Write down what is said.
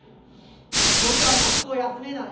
僕は学校休めない。